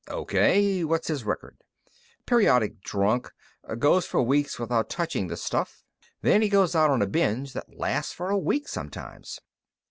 "O.K. What's his record?" "Periodic drunk. Goes for weeks without touching the stuff, then he goes out on a binge that lasts for a week sometimes.